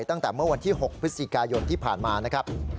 ตั้งแต่เมื่อวันที่๖พฤศจิกายนที่ผ่านมานะครับ